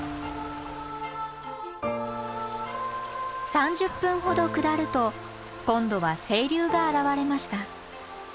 ３０分ほど下ると今度は清流が現れました。